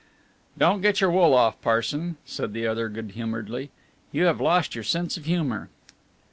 "Don't get your wool off, Parson," said the other good humouredly. "You have lost your sense of humour."